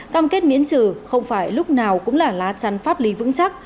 cam kết miễn trừ không phải lúc nào cũng là lá chắn pháp lý vững chắc